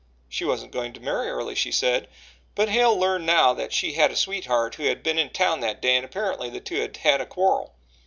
She wasn't going to marry early, she said, but Hale learned now that she had a sweetheart who had been in town that day and apparently the two had had a quarrel.